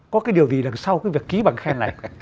có cái điều gì đằng sau cái việc ký bằng khen này